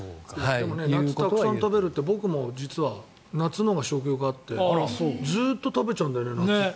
でも夏にたくさん食べるって実は僕も夏のほうが食欲あってずっと食べちゃうんだよね。